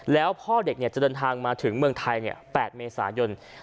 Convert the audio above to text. แล้วพ่อเด็กจะเดินทางมาถึงเมืองไทย๘เมษายน